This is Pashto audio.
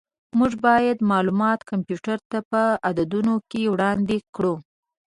موږ باید معلومات کمپیوټر ته په عددونو کې وړاندې کړو.